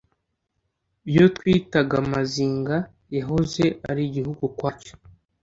yo twitaga mazinga, yahoze ari igihugu ukwacyo.